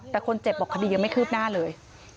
แต่คนเจ็บบอกคดียังไม่คืบหน้าเลย